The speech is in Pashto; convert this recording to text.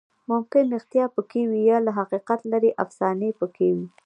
ممکن ریښتیا پکې وي، یا له حقیقت لرې افسانې پکې وي.